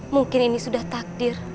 mungkin ini sudah takdir